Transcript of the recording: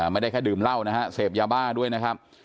ไม่ได้แค่ดื่มเหล้านะฮะเสพยาบ้าด้วยนะครับ